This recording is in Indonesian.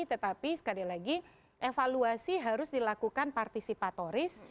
tetapi sekali lagi evaluasi harus dilakukan partisipatoris